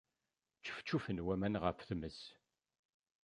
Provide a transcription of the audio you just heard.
Ččefčufen waman ɣef tmes.